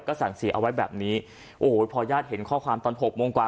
สั่งเสียเอาไว้แบบนี้โอ้โหพอญาติเห็นข้อความตอนหกโมงกว่า